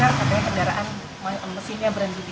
katanya kendaraan mesinnya berhenti